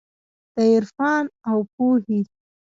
د عرفان اوپو هي